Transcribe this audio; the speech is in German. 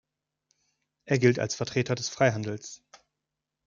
Er gilt als Vertreter des Freihandels.